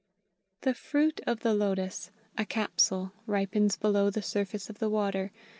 ] "THE fruit of the lotus a capsule ripens below the surface of the water.